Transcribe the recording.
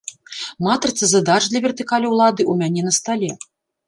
Матрыца задач для вертыкалі ўлады ў мяне на стале.